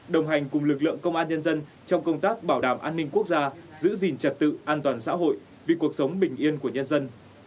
đồng hành cùng lực lượng công an nhân dân trong công tác bảo đảm an ninh quốc gia giữ gìn trật tự an toàn xã hội vì cuộc sống bình yên của nhân dân